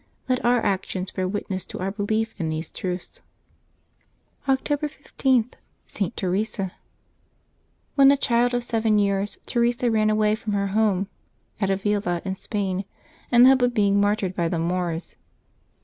Let our actions bear witness to our belief in these truths. October 15.— ST. TERESA. ^rtHEN a child of seven years, Teresa ran away from her \MJ home at Avila in Spain, in the hope of being mar tyred by the Moors.